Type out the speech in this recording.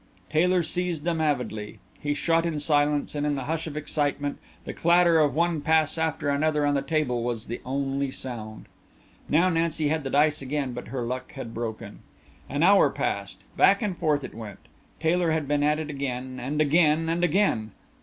Taylor seized them avidly. He shot in silence, and in the hush of excitement the clatter of one pass after another on the table was the only sound. Now Nancy had the dice again, but her luck had broken. An hour passed. Back and forth it went. Taylor had been at it again and again and again.